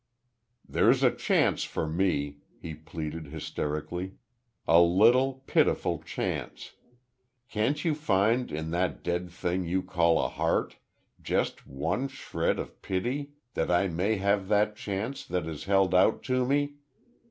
"There's a chance for me," he pleaded, hysterically; "a little, pitiful chance. Can't you find in that dead thing you call a heart just one shred of pity that I may have that chance that is held out to me?